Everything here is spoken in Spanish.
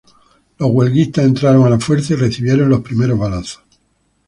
Los huelguistas entraron a la fuerza y recibieron los primeros balazos.